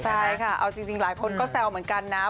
ใช่ค่ะเอาจริงหลายคนก็แซวเหมือนกันนะ